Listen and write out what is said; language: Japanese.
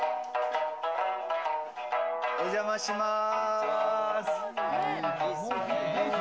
お邪魔します。